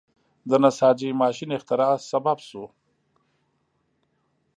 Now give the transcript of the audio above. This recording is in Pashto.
د نساجۍ ماشین اختراع سبب شو.